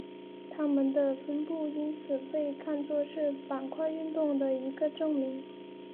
它们的分布因此被看作是板块运动的一个证明。